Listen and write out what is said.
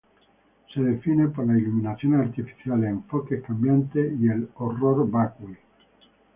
Se define por las iluminaciones artificiales, enfoques cambiantes y el "horror vacui".